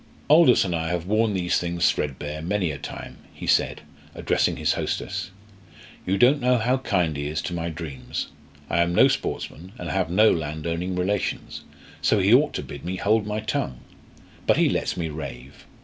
"Aldous and I have worn these things threadbare many a time," he said, addressing his hostess. "You don't know how kind he is to my dreams. I am no sportsman and have no landowning relations, so he ought to bid me hold my tongue. But he lets me rave.